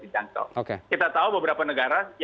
dijangkau kita tahu beberapa negara